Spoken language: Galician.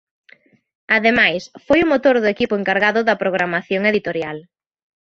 Ademais, foi o motor do equipo encargado da programación editorial.